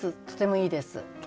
とてもいいです。